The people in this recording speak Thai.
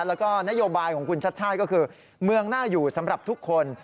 แล้วก็นโยบายของคุณชัชชาสิทธิพันธุ์ก็คือเมืองหน้าอยู่สำหรับทุกคน